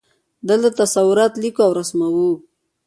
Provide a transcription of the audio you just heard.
دلته تصورات لیکو او رسموو.